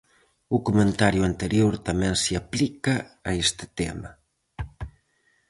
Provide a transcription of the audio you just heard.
O comentario anterior tamén se aplica a este tema.